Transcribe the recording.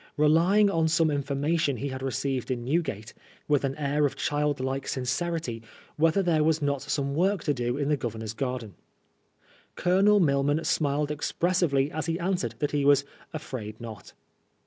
Relying on some information he had received in Newgate, he inquired, with an air of childlike sincerity, whether chere was not some work to do in the Governor's garden. Colonel Milman smiled expressively as he answered that he was " afraid not.''.